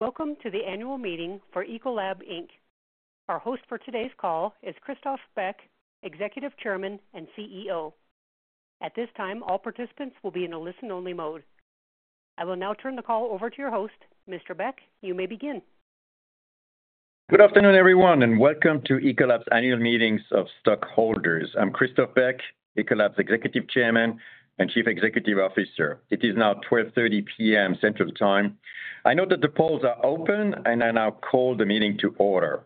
Welcome to the annual meeting for Ecolab Inc. Our host for today's call is Christophe Beck, Executive Chairman and CEO. At this time, all participants will be in a listen-only mode. I will now turn the call over to your host. Mr. Beck, you may begin. Good afternoon, everyone, and welcome to Ecolab's annual meetings of stockholders. I'm Christophe Beck, Ecolab's Executive Chairman and Chief Executive Officer. It is now 12:30 P.M. Central Time. I know that the polls are open, and I now call the meeting to order.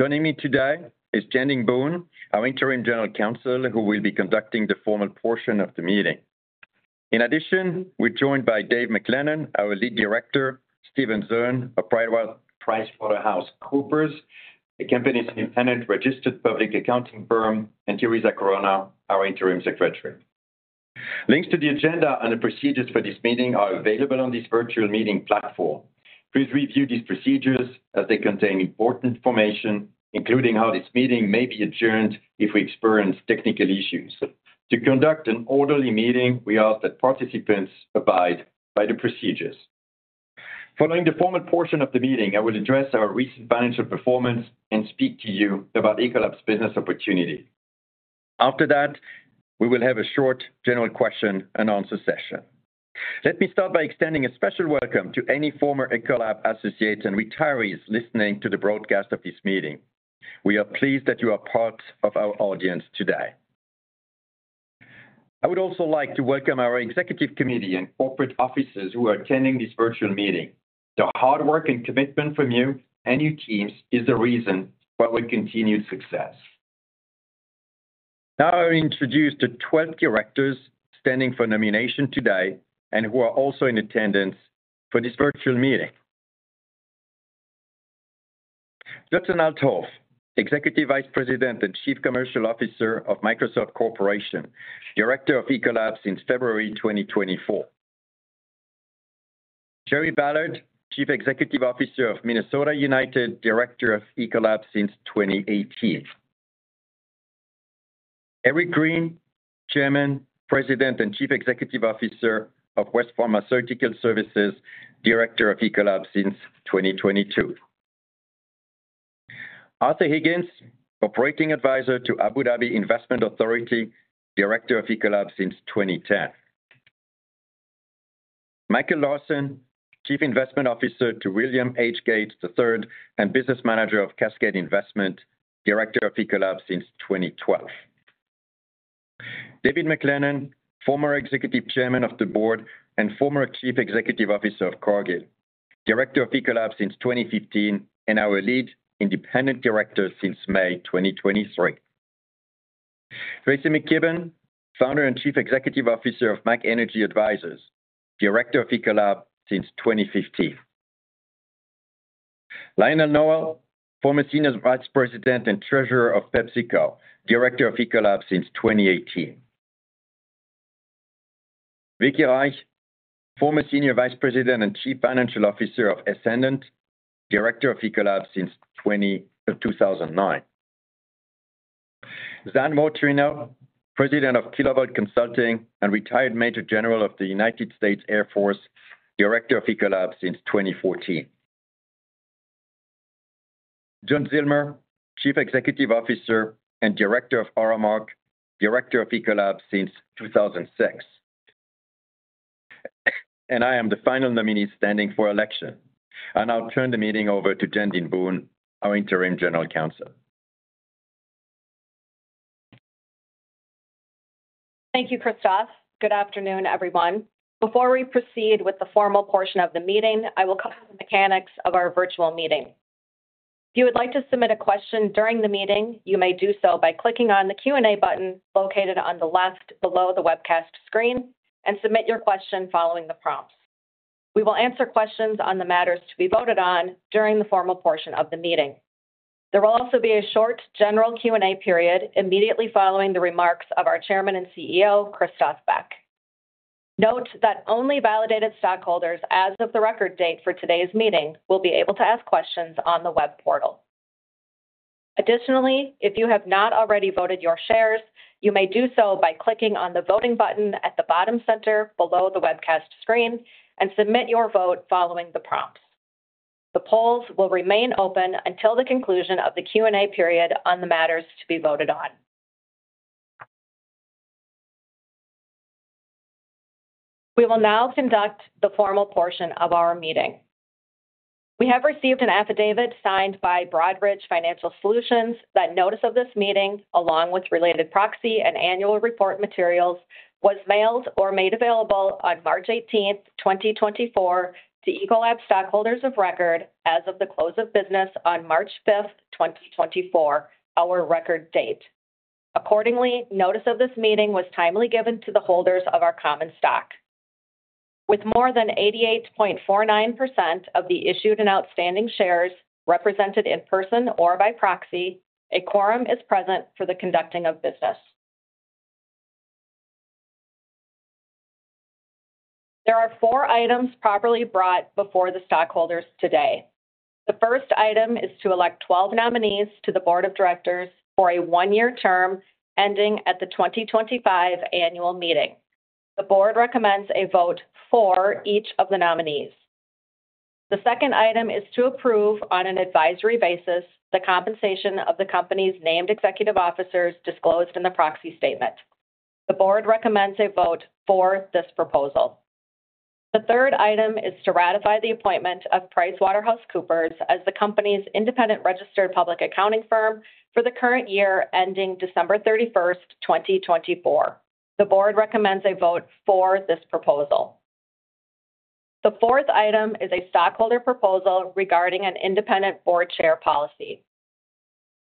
Joining me today is Jandeen Boone, our interim general counsel, who will be conducting the formal portion of the meeting. In addition, we're joined by David W. MacLennan, our Lead Director, Steven Zurn of PricewaterhouseCoopers, the company's independent registered public accounting firm, and Theresa Corona, our interim secretary. Links to the agenda and the procedures for this meeting are available on this virtual meeting platform. Please review these procedures as they contain important information, including how this meeting may be adjourned if we experience technical issues. To conduct an orderly meeting, we ask that participants abide by the procedures. Following the formal portion of the meeting, I will address our recent financial performance and speak to you about Ecolab's business opportunity. After that, we will have a short general question-and-answer session. Let me start by extending a special welcome to any former Ecolab associates and retirees listening to the broadcast of this meeting. We are pleased that you are part of our audience today. I would also like to welcome our executive committee and corporate officers who are attending this virtual meeting. The hard work and commitment from you and your teams is the reason for our continued success. Now, I introduce the 12 directors standing for nomination today and who are also in attendance for this virtual meeting. Judson Althoff, Executive Vice President and Chief Commercial Officer of Microsoft Corporation, Director of Ecolab since February 2024. Shari Ballard, Chief Executive Officer of Minnesota United FC, Director of Ecolab since 2018. Eric M. Green, Chairman, President, and Chief Executive Officer of West Pharmaceutical Services, Director of Ecolab since 2022. Arthur J. Higgins, Operating Advisor to Abu Dhabi Investment Authority, Director of Ecolab since 2010. Michael Larson, Chief Investment Officer to William H. Gates III and Business Manager of Cascade Investment, Director of Ecolab since 2012. David W. MacLennan, former Executive Chairman of the Board and former Chief Executive Officer of Cargill, Director of Ecolab since 2015 and our Lead Independent Director since May 2023. Tracy B. McKibben, Founder and Chief Executive Officer of MAC Energy Advisors, Director of Ecolab since 2015. Lionel L. Nowell III, former Senior Vice President and Treasurer of PepsiCo, Director of Ecolab since 2018. Victoria J. Reich, former Senior Vice President and Chief Financial Officer of Essendant, Director of Ecolab since 2019. Suzanne M. Vautrinot, President of Kilovolt Consulting and retired Major General of the United States Air Force, Director of Ecolab since 2014. John J. Zillmer, Chief Executive Officer and Director of Aramark, Director of Ecolab since 2006. And I am the final nominee standing for election. I now turn the meeting over to Jandeen Boone, our interim General Counsel. Thank you, Christophe. Good afternoon, everyone. Before we proceed with the formal portion of the meeting, I will cover the mechanics of our virtual meeting. If you would like to submit a question during the meeting, you may do so by clicking on the Q&A button located on the left below the webcast screen, and submit your question following the prompts. We will answer questions on the matters to be voted on during the formal portion of the meeting. There will also be a short general Q&A period immediately following the remarks of our Chairman and CEO, Christophe Beck. Note that only validated stockholders as of the record date for today's meeting will be able to ask questions on the web portal. Additionally, if you have not already voted your shares, you may do so by clicking on the voting button at the bottom center below the webcast screen, and submit your vote following the prompts. The polls will remain open until the conclusion of the Q&A period on the matters to be voted on. We will now conduct the formal portion of our meeting. We have received an affidavit signed by Broadridge Financial Solutions that notice of this meeting, along with related proxy and annual report materials, was mailed or made available on 18 March, 2024, to Ecolab stockholders of record as of the close of business on 5 March, 2024, our record date. Accordingly, notice of this meeting was timely given to the holders of our common stock. With more than 88.49% of the issued and outstanding shares represented in person or by proxy, a quorum is present for the conducting of business. There are four items properly brought before the stockholders today.... The first item is to elect 12 nominees to the board of directors for a 1-year term ending at the 2025 annual meeting. The board recommends a vote for each of the nominees. The second item is to approve, on an advisory basis, the compensation of the company's named executive officers disclosed in the proxy statement. The board recommends a vote for this proposal. The third item is to ratify the appointment of PricewaterhouseCoopers as the company's independent registered public accounting firm for the current year ending 31 December, 2024. The board recommends a vote for this proposal. The fourth item is a stockholder proposal regarding an independent board chair policy.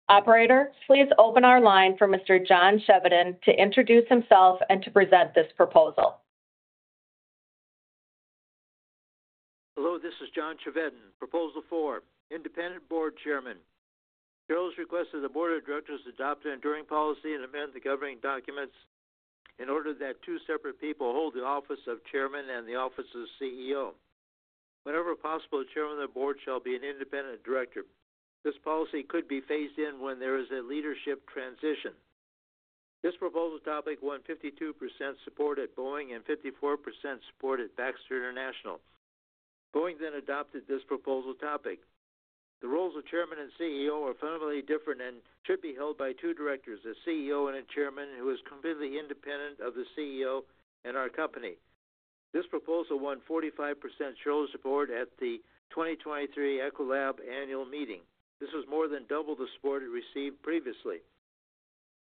Operator, please open our line for Mr. John Chevedden to introduce himself and to present this proposal. Hello, this is John Chevedden, Proposal four, Independent Board Chairman. Shareholder's request that the board of directors adopt an enduring policy and amend the governing documents in order that two separate people hold the office of chairman and the office of CEO. Whenever possible, the chairman of the board shall be an independent director. This policy could be phased in when there is a leadership transition. This proposal topic won 52% support at Boeing and 54% support at Baxter International. Boeing then adopted this proposal topic. The roles of chairman and CEO are fundamentally different and should be held by two directors, a CEO and a chairman, who is completely independent of the CEO and our company. This proposal won 45% shareholder support at the 2023 Ecolab annual meeting. This was more than double the support it received previously.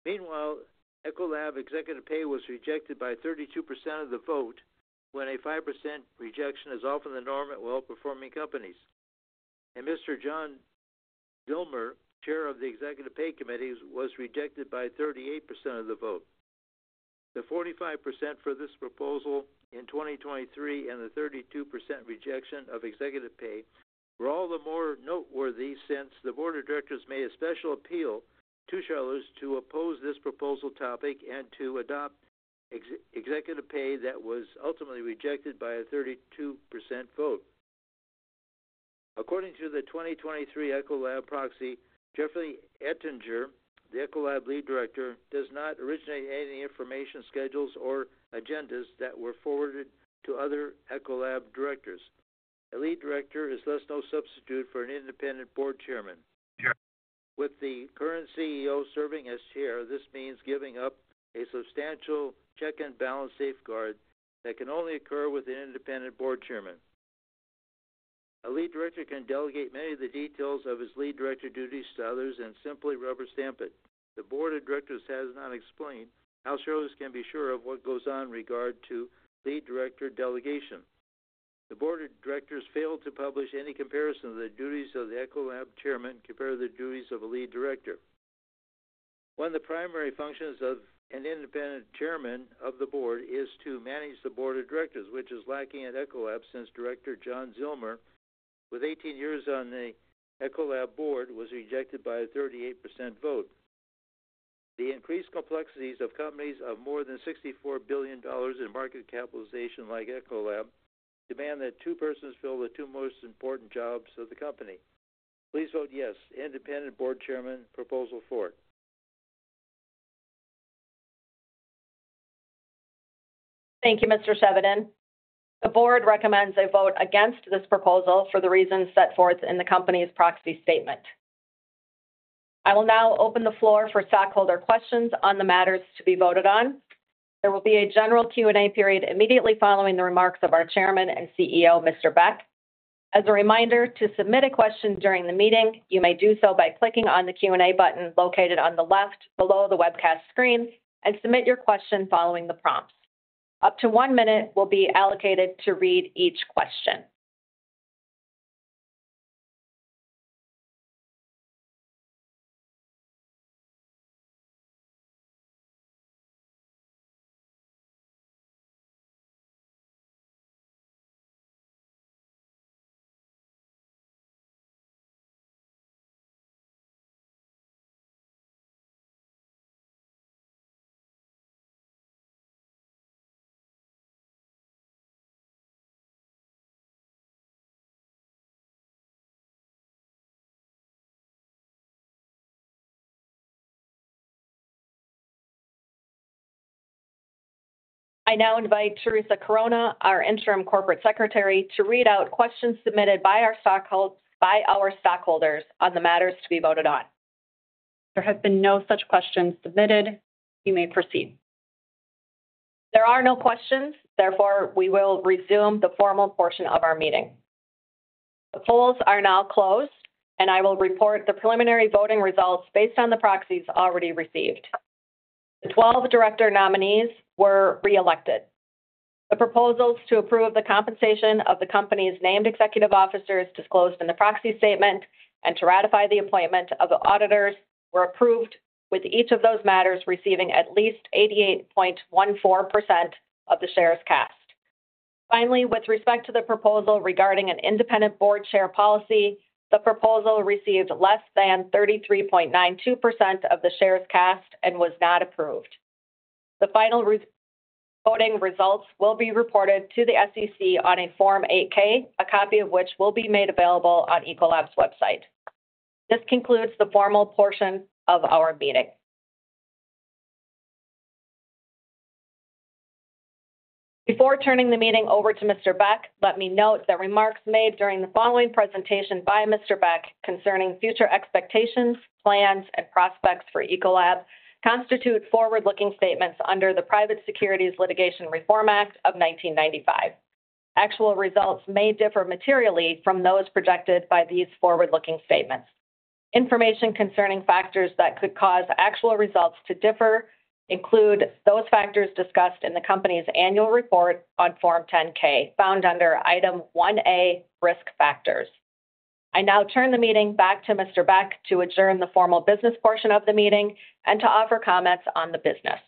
Meanwhile, Ecolab executive pay was rejected by 32% of the vote, when a 5% rejection is often the norm at well-performing companies. Mr. John J. Zillmer, Chair of the Executive Pay Committee, was rejected by 38% of the vote. The 45% for this proposal in 2023 and the 32% rejection of executive pay were all the more noteworthy since the board of directors made a special appeal to shareholders to oppose this proposal topic and to adopt executive pay that was ultimately rejected by a 32% vote. According to the 2023 Ecolab proxy, Jeffrey Ettinger, the Ecolab lead director, does not originate any information, schedules, or agendas that were forwarded to other Ecolab directors. A lead director is thus no substitute for an independent board chairman. With the current CEO serving as chair, this means giving up a substantial check and balance safeguard that can only occur with an independent board chairman. A lead director can delegate many of the details of his lead director duties to others and simply rubber stamp it. The board of directors has not explained how shareholders can be sure of what goes on in regard to lead director delegation. The board of directors failed to publish any comparison of the duties of the Ecolab chairman compared to the duties of a lead director. One of the primary functions of an independent chairman of the board is to manage the board of directors, which is lacking at Ecolab, since Director John J. Zillmer, with 18 years on the Ecolab board, was rejected by a 38% vote. The increased complexities of companies of more than $64 billion in market capitalization, like Ecolab, demand that two persons fill the two most important jobs of the company. Please vote yes. Independent Board Chairman, Proposal 4. Thank you, Mr. Chevedden. The board recommends a vote against this proposal for the reasons set forth in the company's proxy statement. I will now open the floor for stockholder questions on the matters to be voted on. There will be a general Q&A period immediately following the remarks of our Chairman and CEO, Mr. Beck. As a reminder, to submit a question during the meeting, you may do so by clicking on the Q&A button located on the left below the webcast screen and submit your question following the prompts. Up to one minute will be allocated to read each question. I now invite Theresa Corona, our interim corporate secretary, to read out questions submitted by our stockholders on the matters to be voted on. There have been no such questions submitted. You may proceed. There are no questions; therefore, we will resume the formal portion of our meeting. The polls are now closed, and I will report the preliminary voting results based on the proxies already received. The 12 director nominees were reelected. The proposals to approve the compensation of the company's named executive officers disclosed in the proxy statement and to ratify the appointment of the auditors were approved, with each of those matters receiving at least 88.14% of the shares cast. Finally, with respect to the proposal regarding an independent board chair policy, the proposal received less than 33.92% of the shares cast and was not approved. The final voting results will be reported to the SEC on a Form 8-K, a copy of which will be made available on Ecolab's website. This concludes the formal portion of our meeting. Before turning the meeting over to Mr. Beck, let me note that remarks made during the following presentation by Mr. Beck concerning future expectations, plans, and prospects for Ecolab constitute forward-looking statements under the Private Securities Litigation Reform Act of 1995. Actual results may differ materially from those projected by these forward-looking statements. Information concerning factors that could cause actual results to differ include those factors discussed in the company's annual report on Form 10-K, found under Item 1A, Risk Factors. I now turn the meeting back to Mr. Beck to adjourn the formal business portion of the meeting and to offer comments on the business.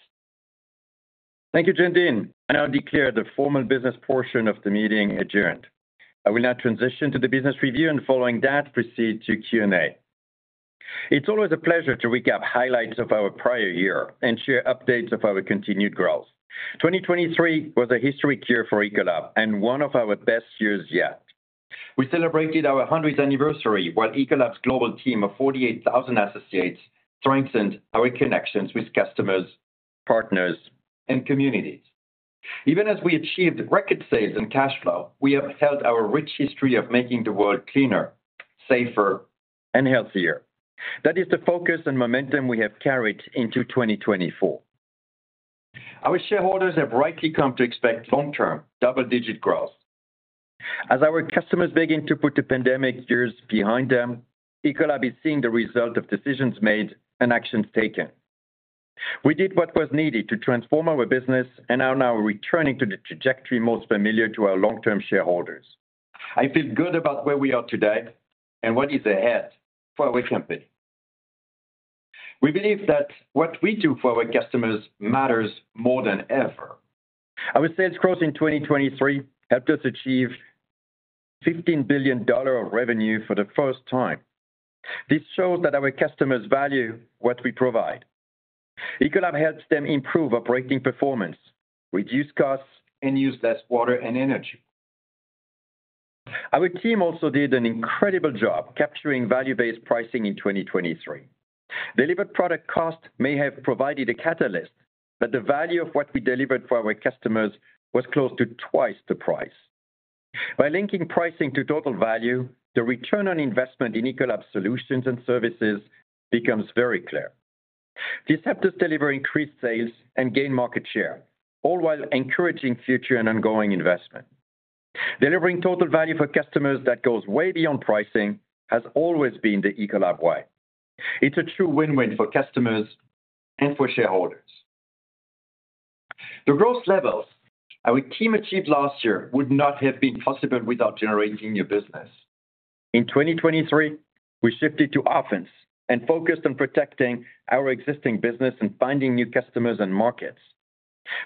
Thank you, Jandeen. I now declare the formal business portion of the meeting adjourned. I will now transition to the business review, and following that, proceed to Q&A. It's always a pleasure to recap highlights of our prior year and share updates of our continued growth. 2023 was a historic year for Ecolab and one of our best years yet. We celebrated our 100th anniversary, while Ecolab's global team of 48,000 associates strengthened our connections with customers, partners, and communities. Even as we achieved record sales and cash flow, we have held our rich history of making the world cleaner, safer, and healthier. That is the focus and momentum we have carried into 2024. Our shareholders have rightly come to expect long-term double-digit growth. As our customers begin to put the pandemic years behind them, Ecolab is seeing the result of decisions made and actions taken. We did what was needed to transform our business and are now returning to the trajectory most familiar to our long-term shareholders. I feel good about where we are today and what is ahead for our company. We believe that what we do for our customers matters more than ever. Our sales growth in 2023 helped us achieve $15 billion of revenue for the first time. This shows that our customers value what we provide. Ecolab helps them improve operating performance, reduce costs, and use less water and energy. Our team also did an incredible job capturing value-based pricing in 2023. Delivered product cost may have provided a catalyst, but the value of what we delivered for our customers was close to twice the price. By linking pricing to total value, the return on investment in Ecolab solutions and services becomes very clear. This helped us deliver increased sales and gain market share, all while encouraging future and ongoing investment. Delivering total value for customers that goes way beyond pricing has always been the Ecolab way. It's a true win-win for customers and for shareholders. The growth levels our team achieved last year would not have been possible without generating new business. In 2023, we shifted to offense and focused on protecting our existing business and finding new customers and markets.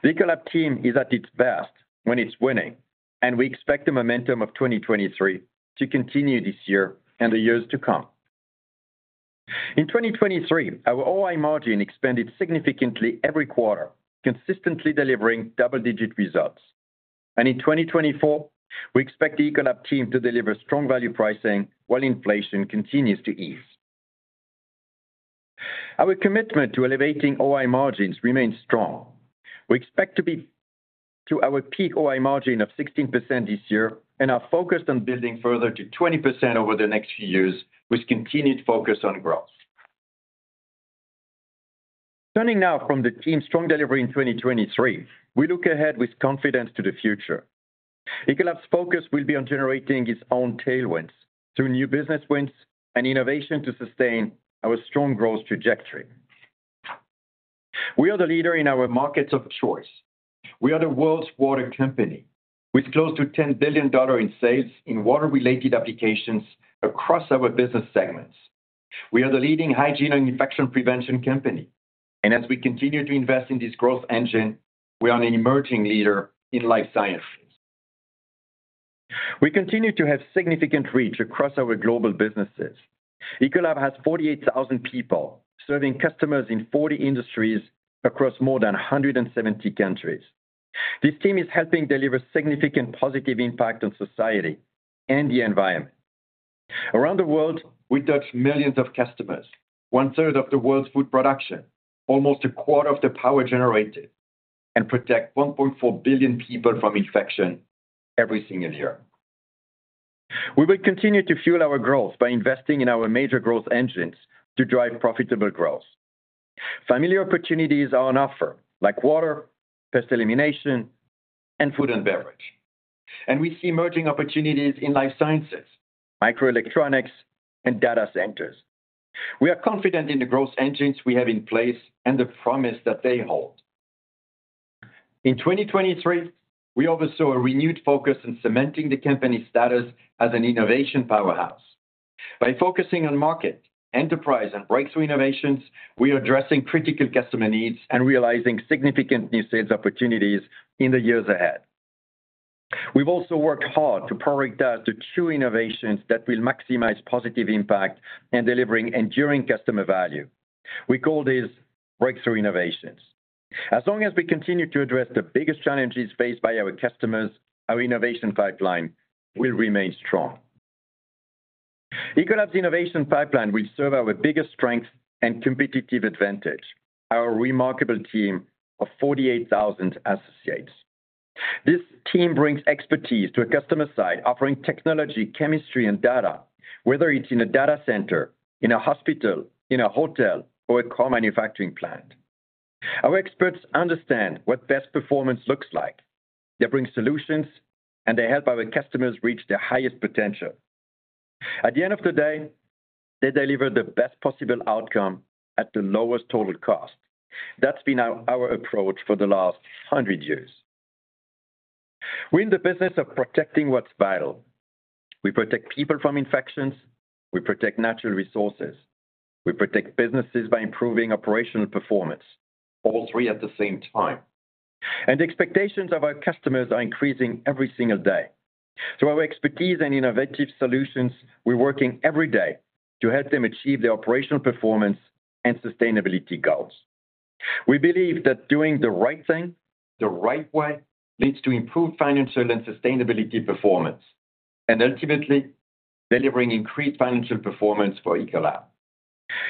The Ecolab team is at its best when it's winning, and we expect the momentum of 2023 to continue this year and the years to come. In 2023, our OI margin expanded significantly every quarter, consistently delivering double-digit results. In 2024, we expect the Ecolab team to deliver strong value pricing while inflation continues to ease. Our commitment to elevating OI margins remains strong. We expect to be to our peak OI margin of 16% this year and are focused on building further to 20% over the next few years, with continued focus on growth. Turning now from the team's strong delivery in 2023, we look ahead with confidence to the future. Ecolab's focus will be on generating its own tailwinds through new business wins and innovation to sustain our strong growth trajectory. We are the leader in our markets of choice. We are the world's water company, with close to $10 billion in sales in water-related applications across our business segments. We are the leading hygiene and infection prevention company, and as we continue to invest in this growth engine, we are an emerging leader in life sciences. We continue to have significant reach across our global businesses. Ecolab has 48,000 people serving customers in 40 industries across more than 170 countries. This team is helping deliver significant positive impact on society and the environment. Around the world, we touch millions of customers, one-third of the world's food production, almost a quarter of the power generated, and protect 1.4 billion people from infection every single year. We will continue to fuel our growth by investing in our major growth engines to drive profitable growth. Familiar opportunities are on offer, like water, pest elimination, and food and beverage, and we see emerging opportunities in life sciences, microelectronics, and data centers. We are confident in the growth engines we have in place and the promise that they hold. In 2023, we oversaw a renewed focus on cementing the company's status as an innovation powerhouse. By focusing on market, enterprise, and breakthrough innovations, we are addressing critical customer needs and realizing significant new sales opportunities in the years ahead.... We've also worked hard to prioritize the two innovations that will maximize positive impact in delivering enduring customer value. We call these breakthrough innovations. As long as we continue to address the biggest challenges faced by our customers, our innovation pipeline will remain strong. Ecolab's innovation pipeline will serve our biggest strength and competitive advantage, our remarkable team of 48,000 associates. This team brings expertise to a customer site, offering technology, chemistry, and data, whether it's in a data center, in a hospital, in a hotel, or a car manufacturing plant. Our experts understand what best performance looks like. They bring solutions, and they help our customers reach their highest potential. At the end of the day, they deliver the best possible outcome at the lowest total cost. That's been our approach for the last 100 years. We're in the business of protecting what's vital. We protect people from infections, we protect natural resources, we protect businesses by improving operational performance, all three at the same time, and the expectations of our customers are increasing every single day. Through our expertise and innovative solutions, we're working every day to help them achieve their operational performance and sustainability goals. We believe that doing the right thing, the right way, leads to improved financial and sustainability performance, and ultimately, delivering increased financial performance for Ecolab.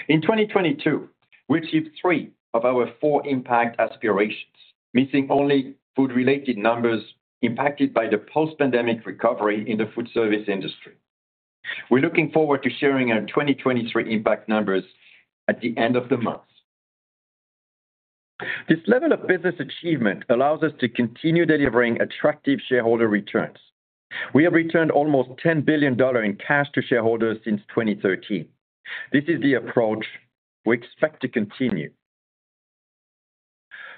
In 2022, we achieved three of our four impact aspirations, missing only food-related numbers impacted by the post-pandemic recovery in the food service industry. We're looking forward to sharing our 2023 impact numbers at the end of the month. This level of business achievement allows us to continue delivering attractive shareholder returns. We have returned almost $10 billion in cash to shareholders since 2013. This is the approach we expect to continue.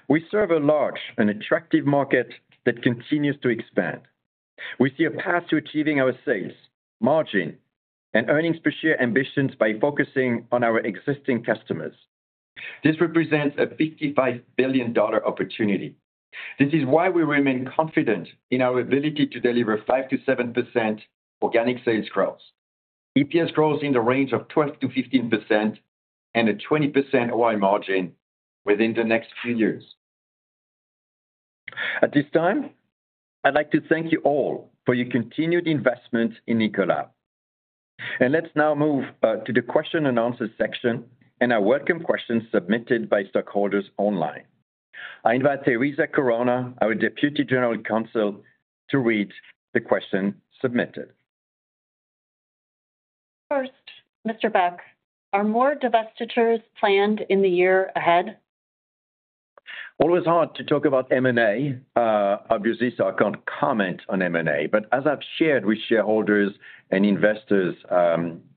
We serve a large and attractive market that continues to expand. We see a path to achieving our sales, margin, and earnings per share ambitions by focusing on our existing customers. This represents a $55 billion opportunity. This is why we remain confident in our ability to deliver 5%-7% organic sales growth, EPS growth in the range of 12%-15%, and a 20% OI margin within the next few years. At this time, I'd like to thank you all for your continued investment in Ecolab. Let's now move to the question and answer section, and I welcome questions submitted by stockholders online. I invite Theresa Corona, our Deputy General Counsel, to read the question submitted. First, Mr. Beck, are more divestitures planned in the year ahead? Always hard to talk about M&A, obviously, so I can't comment on M&A. But as I've shared with shareholders and investors,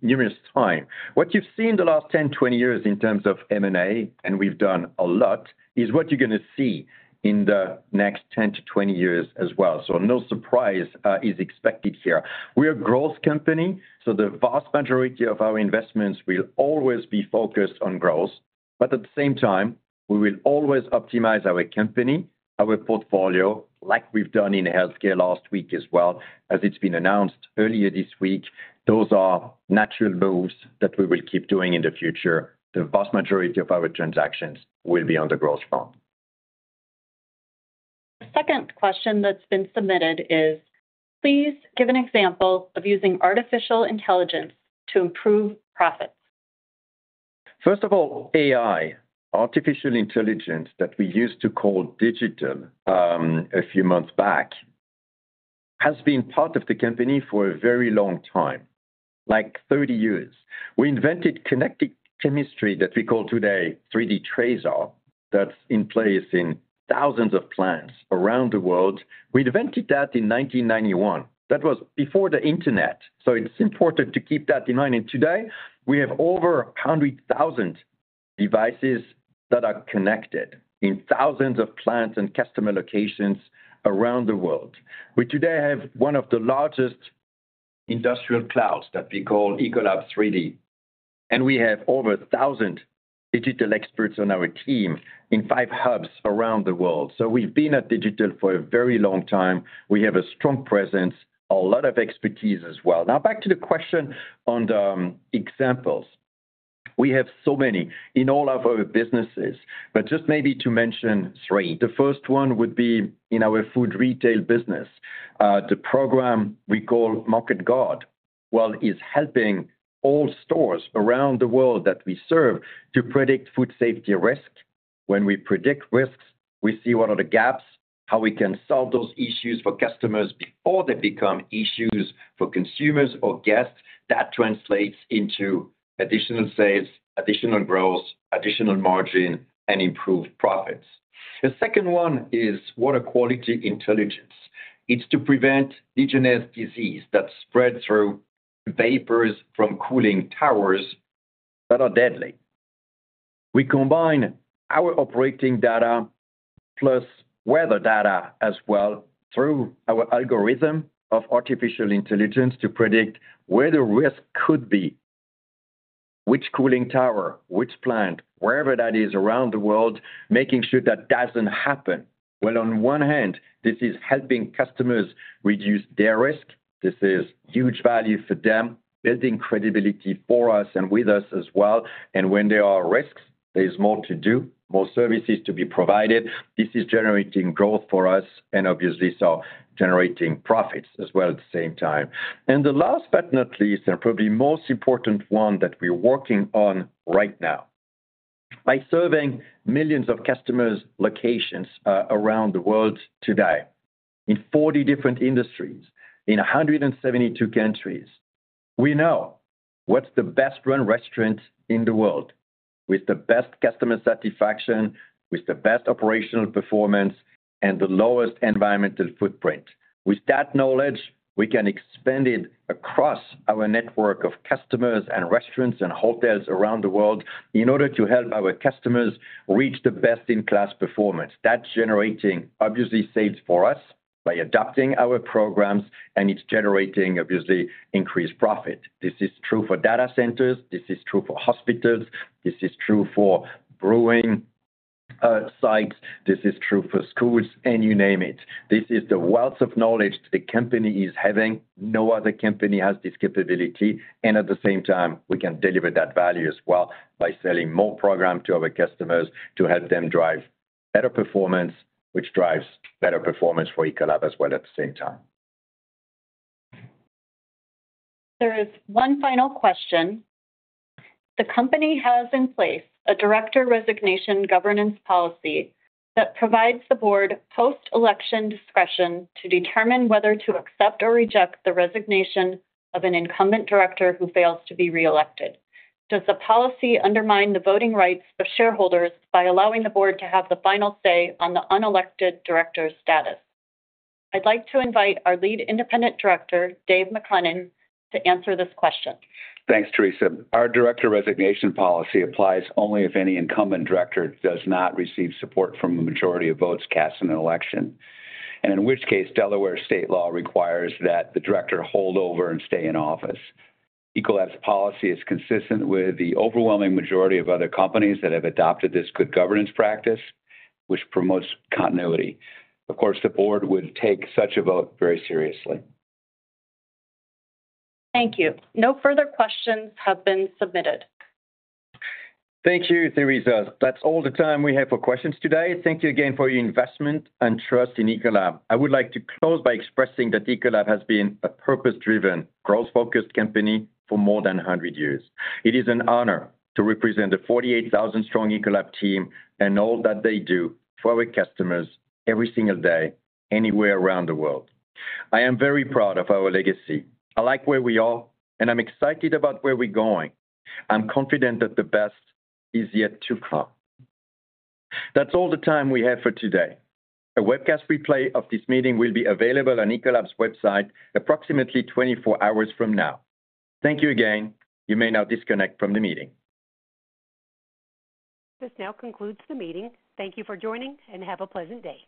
numerous time, what you've seen in the last 10-20 years in terms of M&A, and we've done a lot, is what you're gonna see in the next 10-20 years as well. So no surprise, is expected here. We're a growth company, so the vast majority of our investments will always be focused on growth. But at the same time, we will always optimize our company, our portfolio, like we've done in healthcare last week as well, as it's been announced earlier this week. Those are natural moves that we will keep doing in the future. The vast majority of our transactions will be on the growth front. The second question that's been submitted is: Please give an example of using artificial intelligence to improve profits. First of all, AI, artificial intelligence, that we used to call digital, a few months back, has been part of the company for a very long time, like 30 years. We invented connected chemistry that we call today 3D TRASAR, that's in place in thousands of plants around the world. We invented that in 1991. That was before the internet, so it's important to keep that in mind, and today, we have over 100,000 devices that are connected in thousands of plants and customer locations around the world. We today have one of the largest industrial clouds that we call Ecolab3D, and we have over 1,000 digital experts on our team in 5 hubs around the world. So we've been at digital for a very long time. We have a strong presence, a lot of expertise as well. Now, back to the question on the examples. We have so many in all of our businesses, but just maybe to mention three. The first one would be in our food retail business, the program we call MarketGuard, well, is helping all stores around the world that we serve to predict food safety risk. When we predict risks, we see what are the gaps, how we can solve those issues for customers before they become issues for consumers or guests. That translates into additional sales, additional growth, additional margin, and improved profits. The second one is Water Quality Intelligence. It's to prevent Legionnaires' disease that spread through vapors from cooling towers that are deadly. We combine our operating data, plus weather data as well, through our algorithm of artificial intelligence, to predict where the risk could be.... which cooling tower, which plant, wherever that is around the world, making sure that doesn't happen. Well, on one hand, this is helping customers reduce their risk. This is huge value for them, building credibility for us and with us as well, and when there are risks, there is more to do, more services to be provided. This is generating growth for us and obviously, so generating profits as well at the same time. And the last but not least, and probably most important one that we're working on right now, by serving millions of customers' locations, around the world today, in 40 different industries, in 172 countries, we know what's the best-run restaurant in the world, with the best customer satisfaction, with the best operational performance, and the lowest environmental footprint. With that knowledge, we can expand it across our network of customers and restaurants and hotels around the world in order to help our customers reach the best-in-class performance. That's generating, obviously, saves for us by adopting our programs, and it's generating, obviously, increased profit. This is true for data centers, this is true for hospitals, this is true for brewing sites, this is true for schools, and you name it. This is the wealth of knowledge the company is having. No other company has this capability, and at the same time, we can deliver that value as well by selling more program to our customers to help them drive better performance, which drives better performance for Ecolab as well at the same time. There is one final question: The company has in place a director resignation governance policy that provides the board post-election discretion to determine whether to accept or reject the resignation of an incumbent director who fails to be reelected. Does the policy undermine the voting rights of shareholders by allowing the board to have the final say on the unelected director's status? I'd like to invite our Lead Independent Director, Dave MacLennan, to answer this question. Thanks, Theresa. Our director resignation policy applies only if any incumbent director does not receive support from the majority of votes cast in an election, and in which case, Delaware state law requires that the director hold over and stay in office. Ecolab's policy is consistent with the overwhelming majority of other companies that have adopted this good governance practice, which promotes continuity. Of course, the board would take such a vote very seriously. Thank you. No further questions have been submitted. Thank you, Theresa. That's all the time we have for questions today. Thank you again for your investment and trust in Ecolab. I would like to close by expressing that Ecolab has been a purpose-driven, growth-focused company for more than 100 years. It is an honor to represent the 48,000-strong Ecolab team and all that they do for our customers every single day, anywhere around the world. I am very proud of our legacy. I like where we are, and I'm excited about where we're going. I'm confident that the best is yet to come. That's all the time we have for today. A webcast replay of this meeting will be available on Ecolab's website approximately 24 hours from now. Thank you again. You may now disconnect from the meeting. This now concludes the meeting. Thank you for joining, and have a pleasant day.